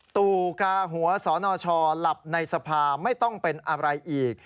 ตู่กาหัวสนชหลับในสภาไม่ต้องเป็นอะไรอีก